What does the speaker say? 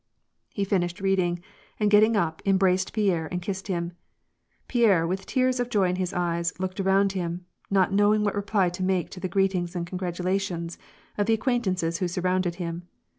He finished reading, and getting up, embraced Pierre and kissed him. Pierre, with tears of joy in his eyes, looked around him, not knowing what reply to make to the greetings and congratulations of the acquaintances who surrounded him.